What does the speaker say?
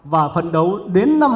và phân đấu đến năm hai nghìn hai mươi